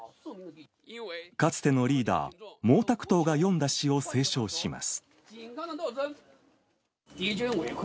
かつてのリーダー、毛沢東が読んだ詩を斉唱します。